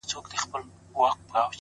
مهرباني د سختو زړونو قلف ماتوي